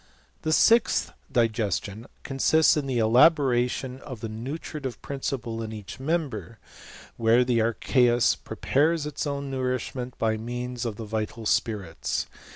The sixth digestion nsists in the elaboration of the nutritive principle each member, where the archeus prepares its own ittrishment by means of the vital spirits.